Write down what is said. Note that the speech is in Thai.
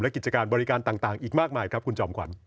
กิจการบริการต่างอีกมากมายครับคุณจอมขวัญ